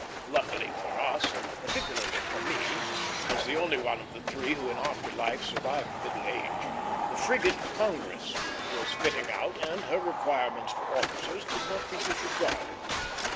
Luckily for us, and particularly for me, as the only one of the three who in after life survived middle age, the frigate Congress was fitting out, and her requirements for officers could not be disregarded.